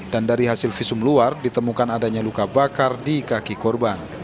dan dari hasil visum luar ditemukan adanya luka bakar di kaki korban